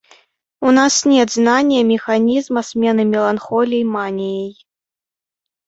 У нас нет знания механизма смены меланхолии манией.